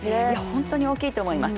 本当に大きいと思います。